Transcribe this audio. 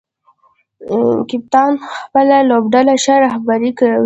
کپتان خپله لوبډله ښه رهبري کوي.